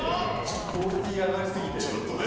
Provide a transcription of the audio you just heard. クオリティーが上がりすぎてちょっと。